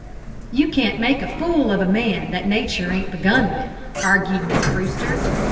"You can't make a fool of a man that nature ain't begun with," argued Miss Brewster.